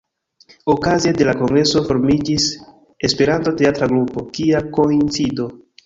Okaze de la kongreso formiĝis Esperanto-teatra grupo "Kia koincido".